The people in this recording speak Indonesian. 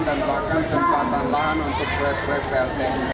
dan bahkan kempasan lahan untuk proyek proyek plt